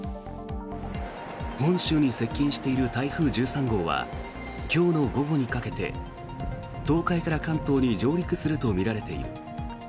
本州に接近している台風１３号は今日の午後にかけて東海から関東に上陸するとみられている。